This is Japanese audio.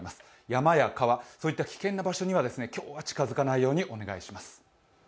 山や川といった危険な場所には今日は近づかないようにお願いします。